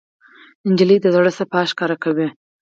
نجلۍ د زړه صفا ښکاره کوي.